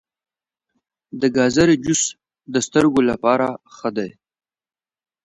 د ګازرې جوس د سترګو لپاره ښه دی.